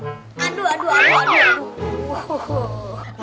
aduh aduh aduh aduh